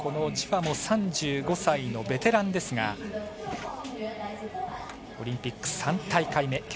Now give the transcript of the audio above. ジワも３５歳のベテランですがオリンピック３大会目。